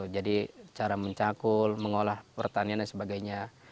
jadi cara mencakul mengolah pertanian dan sebagainya